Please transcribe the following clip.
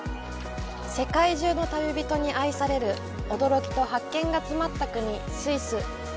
世界中の旅人に愛される驚きと発見が詰まった国、スイス。